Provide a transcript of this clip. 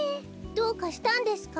どうかしたんですか？